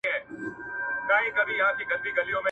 سرزوري کول مو له خلکو ليري کوي.